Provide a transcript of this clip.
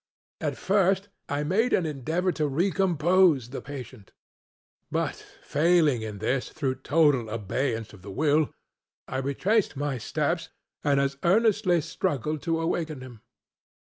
At first I made an endeavor to recompose the patient; but, failing in this through total abeyance of the will, I retraced my steps and as earnestly struggled to awaken him.